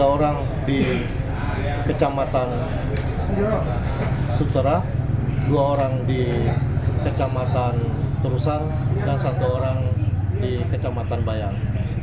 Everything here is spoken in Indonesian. tiga orang di kecamatan suksera dua orang di kecamatan terusang dan satu orang di kecamatan bayang